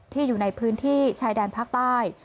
อยู่ในพื้นที่ชายแดนภาคใต้